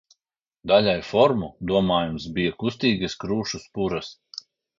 Daļai formu, domājams, bija kustīgas krūšu spuras.